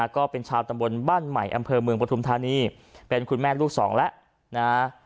ก็เป็นชาวตำบลบ้านใหม่อำเภอเมืองปฐุมธานีเป็นคุณแม่ลูกสองแล้วนะฮะ